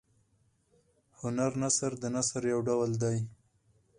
هنر نثر د نثر یو ډول دﺉ.